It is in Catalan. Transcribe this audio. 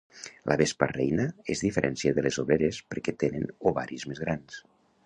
La vespa reina es diferencia de les obreres perquè tenen ovaris més grans.